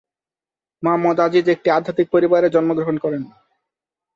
মোহাম্মদ আজিজ একটি আধ্যাত্মিক পরিবারে জন্মগ্রহণ করেন।